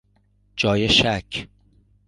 جای شک